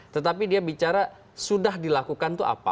tetapi dia bicara sudah dilakukan itu apa